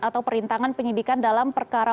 atau perintangan penyidikan dalam perkara